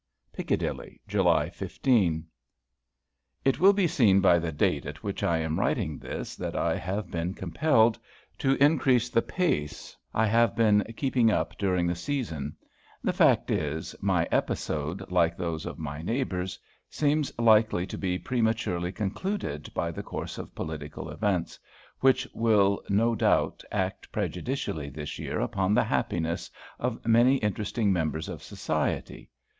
PICCADILLY, July 15. It will be seen by the date at which I am writing this, that I have been compelled to increase the pace I have been keeping up during the season. The fact is, my episode, like those of my neighbours, seems likely to be prematurely concluded by the course of political events, which will no doubt act prejudicially this year upon the happiness of many interesting members of society.